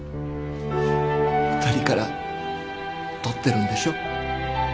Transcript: ２人から取ってるんでしょ？